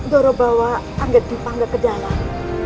dorobawa angget dipanggil ke dalam